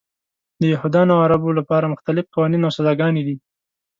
د یهودانو او عربو لپاره مختلف قوانین او سزاګانې دي.